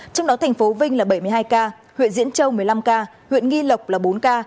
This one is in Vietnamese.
trong đó thành phố vinh là bảy mươi hai ca huyện diễn châu một mươi năm ca huyện nghi lộc là bốn ca